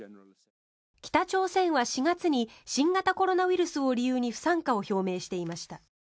北朝鮮は４月に新型コロナウイルスを理由に不参加を表明していました。